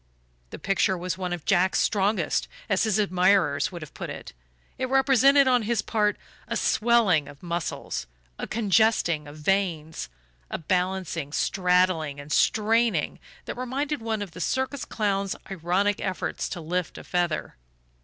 The picture was one of Jack's "strongest," as his admirers would have put it it represented, on his part, a swelling of muscles, a congesting of veins, a balancing, straddling and straining, that reminded one of the circus clown's ironic efforts to lift a feather.